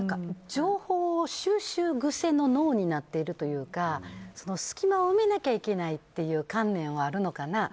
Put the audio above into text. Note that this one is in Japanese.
情報収集癖の脳になっているというか隙間を埋めなきゃいけないという観念はあるのかな。